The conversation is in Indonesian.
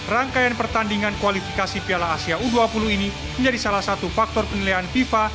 rangkaian pertandingan kualifikasi piala asia u dua puluh ini menjadi salah satu faktor penilaian fifa